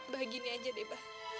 bah gini aja deh bah